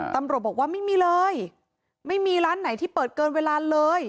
ตำรวจบอกว่าไม่มีเลยไม่มีร้านไหนที่เปิดเกินเวลาเลย